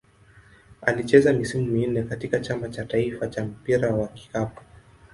Alicheza misimu minne katika Chama cha taifa cha mpira wa kikapu.